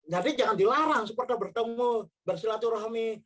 jadi jangan dilarang supporter bertemu bersilaturahmi